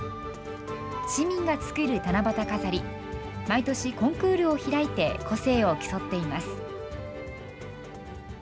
市民が作る七夕飾り、毎年コンクールを開いて個性を競っています。